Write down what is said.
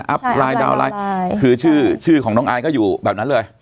ไลน์ดาวนไลน์คือชื่อชื่อของน้องอายก็อยู่แบบนั้นเลย